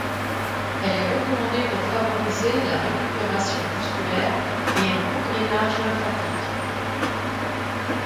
Elle est recommandée pour favoriser la récupération musculaire et un bon drainage lymphatique.